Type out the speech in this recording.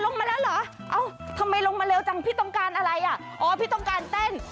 ลงมาแล้วเหรอเอ้าทำไมลงมาเร็วจังพี่ต้องการอะไรอ่ะอ๋อพี่ต้องการเต้น